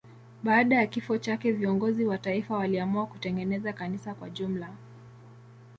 Baada ya kifo chake viongozi wa taifa waliamua kutengeneza kanisa kwa jumla.